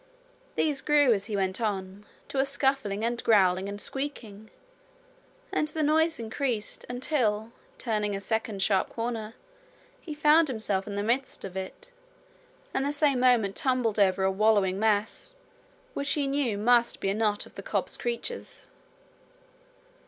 These grew, as he went on, to a scuffling and growling and squeaking; and the noise increased, until, turning a second sharp corner, he found himself in the midst of it, and the same moment tumbled over a wallowing mass, which he knew must be a knot of the cobs' creatures.